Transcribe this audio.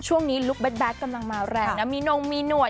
ช่วงนี้ลูกแบตกำลังมาแรงนะมีหน่วงมีหนวด